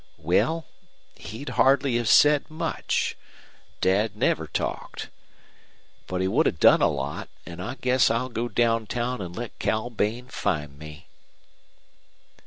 "Well, he'd hardly have said much. Dad never talked. But he would have done a lot. And I guess I'll go down town and let Cal Bain find me."